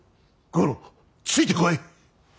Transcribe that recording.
五郎ついてこい。